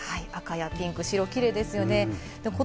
赤やピンク、白、キレイですよね。